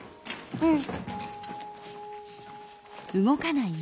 うん。